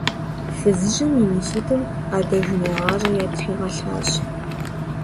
Фызыжьым и ныситӀми адэжынэ гъащӀэр ятригъэлъащ.